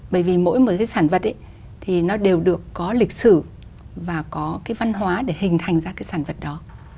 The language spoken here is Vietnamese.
bởi vì mỗi một cái sản vật ấy thì nó đều được có lịch sử và có cái văn hóa để hình thành ra cái sản vật đó